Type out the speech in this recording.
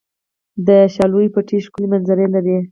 د شالیو پټي ښکلې منظره لري.